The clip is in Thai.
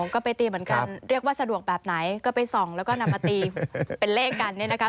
ก็ไปตีเหมือนกันเรียกว่าสะดวกแบบไหนก็ไปส่องแล้วก็นำมาตีเป็นเลขกันเนี่ยนะคะ